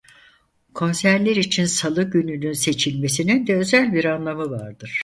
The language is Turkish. Konserle için salı gününün seçilmesinin de özel bir anlamı vardır.